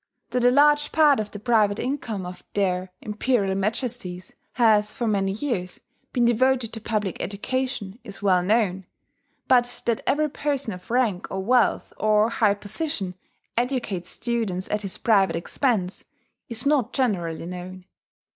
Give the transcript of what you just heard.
That a large part of the private income of their Imperial Majesties has, for many years, been devoted to public education is well known; but that every person of rank or wealth or high position educates students at his private expense, is not generally known.